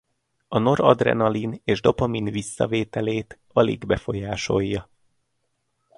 A noradrenalin és dopamin visszavételét alig befolyásolja.